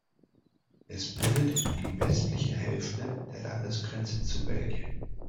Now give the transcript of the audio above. Es bildet die westliche Hälfte der Landesgrenze zu Belgien.